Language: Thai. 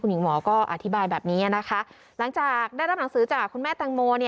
หญิงหมอก็อธิบายแบบนี้นะคะหลังจากได้รับหนังสือจากคุณแม่แตงโม